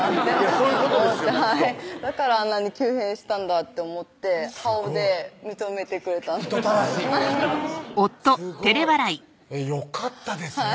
そういうことですよきっとだからあんなに急変したんだって思って顔で認めてくれた人たらしすごいよかったですね